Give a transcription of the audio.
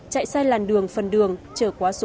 chạy sai làn đường phần đường chở qua số